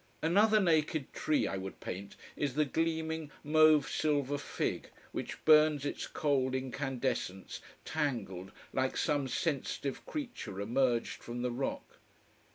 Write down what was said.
Another naked tree I would paint is the gleaming mauve silver fig, which burns its cold incandescence, tangled, like some sensitive creature emerged from the rock.